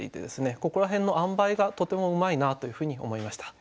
ここら辺のあんばいがとてもうまいなというふうに思いました。